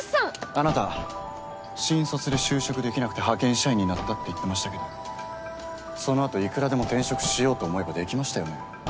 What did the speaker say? あなた新卒で就職できなくて派遣社員になったって言ってましたけどそのあといくらでも転職しようと思えばできましたよね？